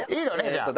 じゃあ。